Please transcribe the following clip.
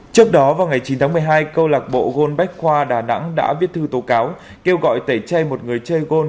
trước đó vào ngày chín tháng một mươi hai câu lạc bộ gôn bách khoa đà nẵng đã viết thư tố cáo kêu gọi tẩy chay một người chơi gôn